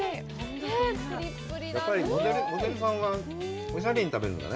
モデルさんはおしゃれに食べるんだね？